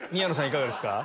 いかがですか？